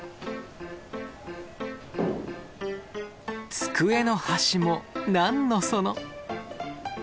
机の端も何のその。